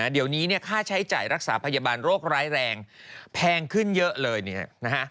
เดี๋ยวนี้เนี่ยค่าใช้จ่ายรักษาพยาบาลโรคร้ายแรงแพงขึ้นเยอะเลยเนี่ยนะฮะ